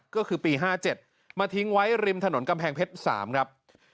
ก็คือปี๕๗มาทิ้งไว้ริมถนนกำแพงเพชร๓ครับ